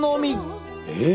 えっ！